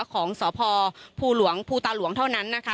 ของสพภูตาหลวงเท่านั้นนะคะ